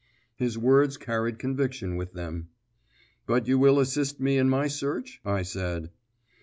His words carried conviction with them. "But you will assist me in my search?" I said.